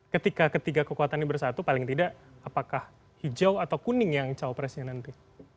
ketika ketiga kekuatannya bersatu paling tidak apakah hijau atau kuning yang cawapresnya nanti